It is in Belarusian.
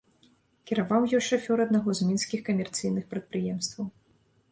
Кіраваў ёй шафёр аднаго з мінскіх камерцыйных прадпрыемстваў.